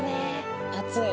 熱い。